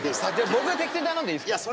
僕が適当に頼んでいいですか？